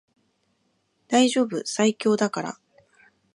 大丈夫最強だから